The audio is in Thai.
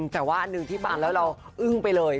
แต่ว่าอันหนึ่งที่ฟังแล้วเราอึ้งไปเลย